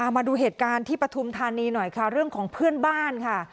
มาดูเหตุการณ์ที่ปฐุมธานีหน่อยค่ะเรื่องของเพื่อนบ้านค่ะ